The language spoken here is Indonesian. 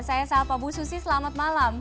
saya sapa bu susi selamat malam